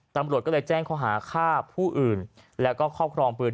ตำรวจก็เลยแจ้งข้อหาฆ่าผู้อื่นแล้วก็ครอบครองปืน